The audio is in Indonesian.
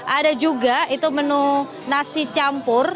ada juga itu menu nasi campur